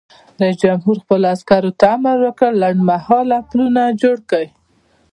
رئیس جمهور خپلو عسکرو ته امر وکړ؛ لنډمهاله پلونه جوړ کړئ!